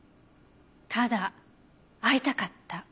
ただ会いたかった？